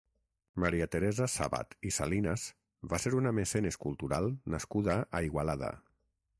Maria Teresa Sàbat i Salinas va ser una mecenes cultural nascuda a Igualada.